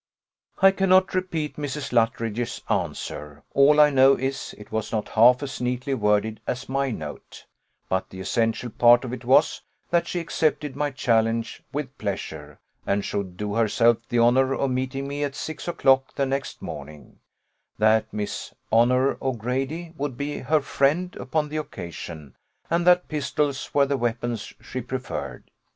"I cannot repeat Mrs. Luttridge's answer; all I know is, it was not half as neatly worded as my note; but the essential part of it was, that she accepted my challenge with pleasure, and should do herself the honour of meeting me at six o'clock the next morning; that Miss Honour O'Grady would be her friend upon the occasion; and that pistols were the weapons she preferred.